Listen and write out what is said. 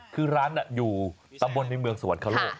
คือร้านอยู่ตำบลในเมืองสวรรคโลก